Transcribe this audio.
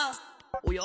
おや？